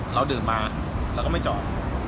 เราดื่มมาเราก็ไม่จอด